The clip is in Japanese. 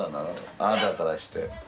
あなたからして。